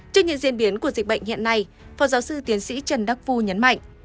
trước những diễn biến của dịch bệnh hiện nay phó giáo sư tiến sĩ trần đắc phu nhấn mạnh